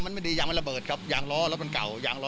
นี่แหละค่ะ